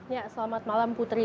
ya selamat malam putri